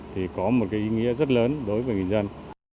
thì có một cái ý nghĩa rất lớn đối với người dân